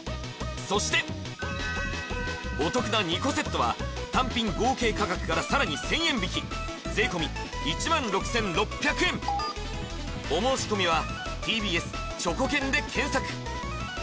そしてお得な２個セットは単品合計価格からさらに１０００円引き税込１６６００円続いては！